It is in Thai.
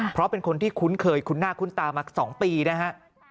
เพราะเป็นคนที่คุ้นเคยคุ้นหน้าคุ้นตามา๒ปีนะฮะ